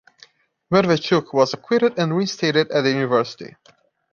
Medvedchuk was acquitted and reinstated at the university.